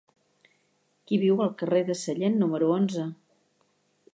Qui viu al carrer de Sallent número onze?